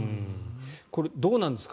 これ、どうなんですか？